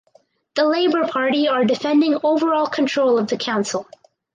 The Labour Party are defending overall control of the council.